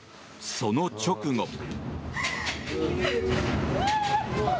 その直後。